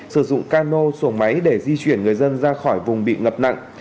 sử dụng cano xuồng máy để di chuyển người dân ra khỏi vùng bị ngập nặng